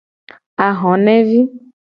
Ahonevi.